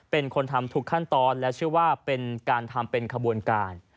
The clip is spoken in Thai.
เป็นคนทำทุกขั้นตอนและเชื่อว่าเป็นการทำเป็นขบวนการ